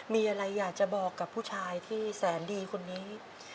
มีอะไรอยากจะบอกกับผู้ชายที่แสนดีคนนี้